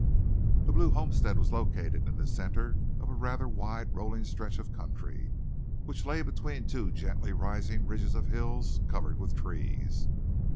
The Blue homestead was located in the centre of a rather wide rolling stretch of country which lay between two gently rising ridges of hill covered with trees.